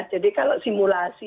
jadi kalau simulasi